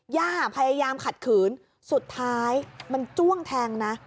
ย่าพยายามขัดขืนสุดท้ายมันจ้วงแทงนะ